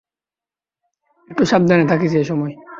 একটু সাবধানে থাকিস এসময়।